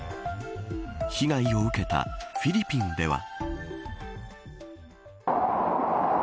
被害を受けたフィリピンでは。